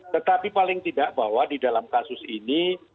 tetapi paling tidak bahwa di dalam kasus ini